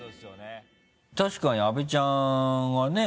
確かに阿部ちゃんはね